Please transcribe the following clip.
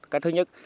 cái thứ nhất